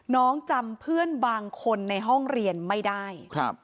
น้องจำเพื่อนบางคนในห้องเรียนไม่ได้